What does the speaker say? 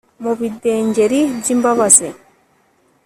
Mu bidengeri byimbabazi